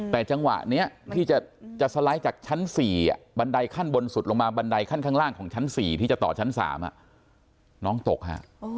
แต่จังหวะนี้ที่จะสไลด์จากชั้น๔บันไดขั้นบนสุดลงมาบันไดขั้นข้างล่างของชั้น๔ที่จะต่อชั้น๓น้องตกฮะ